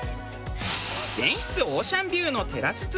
全室オーシャンビューのテラス付き。